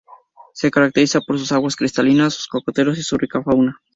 Se caracteriza por sus aguas cristalinas, sus cocoteros y su rica fauna.